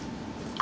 あ。